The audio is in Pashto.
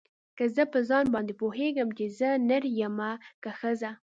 که زه په ځان باندې پوهېږم چې زه نر يمه که ښځه.